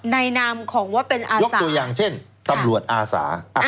นามของว่าเป็นอายกตัวอย่างเช่นตำรวจอาสา